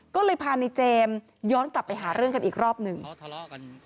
ก็เลยพาในเจมส์ย้อนกลับไปหาเรื่องกันอีกรอบหนึ่งอ๋อทะเลาะกัน